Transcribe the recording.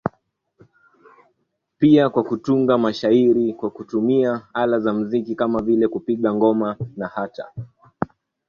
pia wa kutunga mashairi kutumia ala za mziki kama vile kupiga ngoma na hata